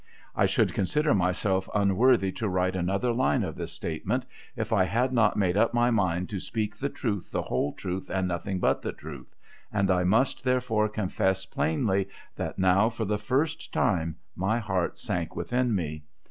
I should consider myself unworthy to write another line of this statement, if I had not made up my mind to speak the truth, the whole truth, and nothing but the tnith — and I must, therefore, confess plainly that now, for the first time, my heart sank within me.